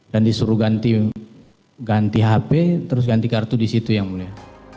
dan disuruh ganti handphone terus ganti kartu di situ yang mulia